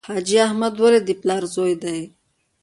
حاجي احمد ولي د پلار زوی دی.